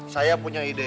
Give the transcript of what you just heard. saya punya ide